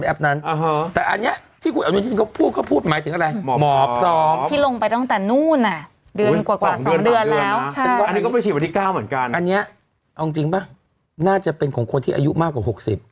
เอาจริงป่ะน่าจะเป็นของคนที่อายุมากกว่า๖๐